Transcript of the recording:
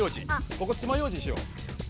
ここ「つまようじ」にしよう。